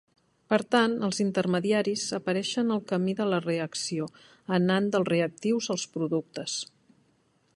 Per tant, els intermediaris apareixen al camí de la reacció anant dels reactius als productes.